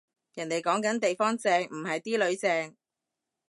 人哋講緊地方正，唔係啲囡正